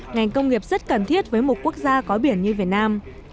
ngành công nghiệp rất cần thiết với một quốc gia có biển như việt nam